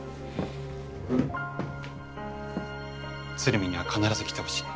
鶴見には必ず来てほしい。